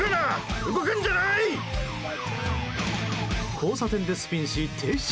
交差点でスピンし停車。